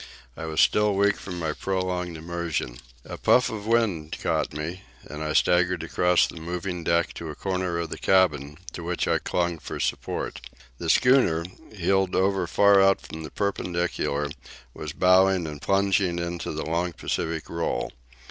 I was still weak from my prolonged immersion. A puff of wind caught me,—and I staggered across the moving deck to a corner of the cabin, to which I clung for support. The schooner, heeled over far out from the perpendicular, was bowing and plunging into the long Pacific roll.